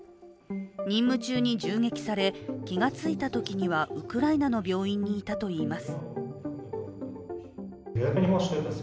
任務中に銃撃され、気がついたときにはウクライナの病院にいたといいます。